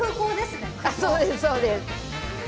そうですそうです。